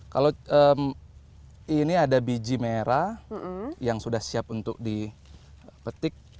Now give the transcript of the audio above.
kalau ini ada biji merah yang sudah siap untuk dipetik